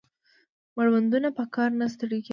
مړوندونه په کار نه ستړي کېدل